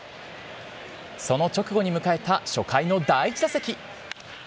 その直後に迎えた初回の第１打席。